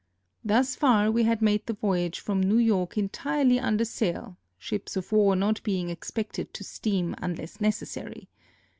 Thus far we had made the voyage from New York entirely under sail, ships of war not being ex pected to steam unless necessary.